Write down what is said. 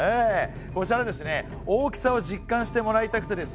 こちらはですね大きさを実感してもらいたくてですね